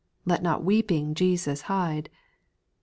863 Let not weeping Jesus hide.